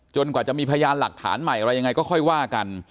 กว่าจะมีพยานหลักฐานใหม่อะไรยังไงก็ค่อยว่ากัน